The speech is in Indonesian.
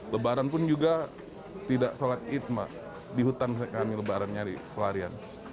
lebaran pun juga tidak sholat idma di hutan kami lebaran nyari pelarian